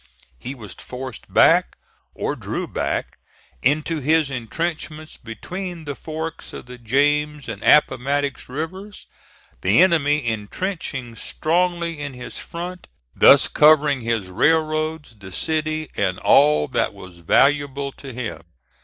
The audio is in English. He was forced back, or drew back, into his intrenchments between the forks of the James and Appomattox rivers, the enemy intrenching strongly in his front, thus covering his railroads, the city, and all that was valuable to him.